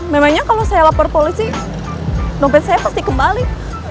memangnya kalau saya lapor polisi nobel saya pasti kembali